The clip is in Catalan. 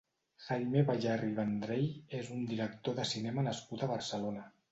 Jaime Bayarri i Vendrell és un director de cinema nascut a Barcelona.